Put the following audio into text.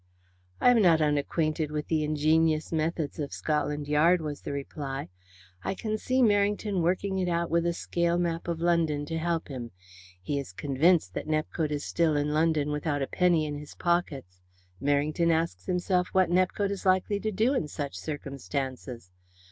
"I am not unacquainted with the ingenious methods of Scotland Yard," was the reply. "I can see Merrington working it out with a scale map of London to help him. He is convinced that Nepcote is still in London without a penny in his pockets. Merrington asks himself what Nepcote is likely to do in such circumstances?